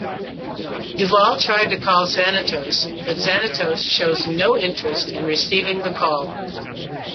Duval tried to call Xanatos, but Xanatos shows no interest in receiving the call.